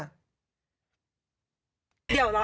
ทุกวันนี้ไม่ต้องหรอกคิดว่า